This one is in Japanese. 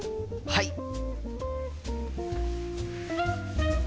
はい！